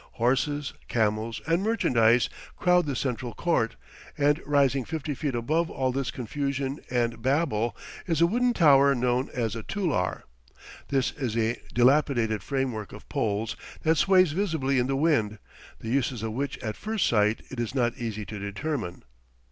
Horses, camels, and merchandise crowd the central court, and rising fifty feet above all this confusion and babel is a wooden tower known as a tullar. This is a dilapidated framework of poles that sways visibly in the wind, the uses of which at first sight it is not easy to determine.